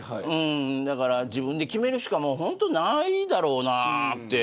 だから自分で決めるしかないだろうなって。